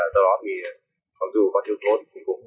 do đó thì không dù có tiêu chốt